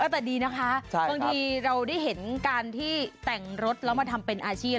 แต่ดีนะคะบางทีเราได้เห็นการที่แต่งรถแล้วมาทำเป็นอาชีพ